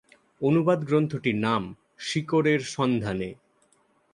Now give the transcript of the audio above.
অনুবাদ গ্রন্থটির নাম ""শিকড়ের সন্ধানে""।